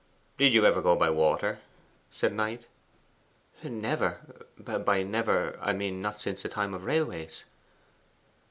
'Did you ever go by water?' said Knight. 'Never by never, I mean not since the time of railways.